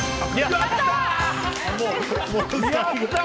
やったー！